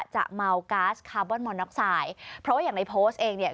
จะเมาก๊าซคาร์บอนมอนน็อกไซด์เพราะว่าอย่างในโพสต์เองเนี่ย